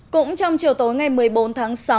cũng trong chiều tối ngày một mươi bốn tháng sáu